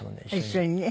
一緒にね。